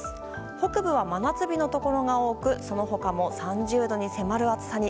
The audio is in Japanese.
北部は真夏日のところが多くその他も３０度に迫る暑さに。